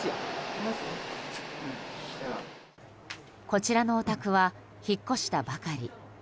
こちらのお宅は引っ越したばかり。